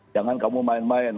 jangan kamu main main